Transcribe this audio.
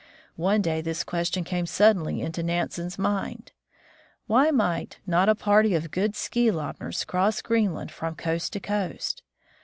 One day this question came suddenly into Nansen's mind : Why might not a party of good ski lobners cross Green land from coast to coast